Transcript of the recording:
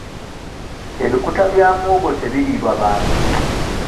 Ebikuta bya muwogo tebiriibwa bantu.